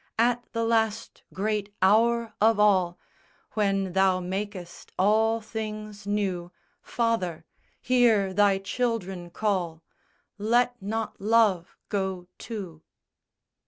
At the last great hour of all, When thou makest all things new, Father, hear Thy children call, Let not love go, too.